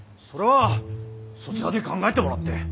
それはそちらで考えてもらって。